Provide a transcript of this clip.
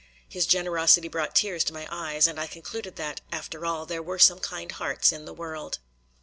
His generosity brought tears to my eyes, and I concluded that, after all, there were some kind hearts in the world.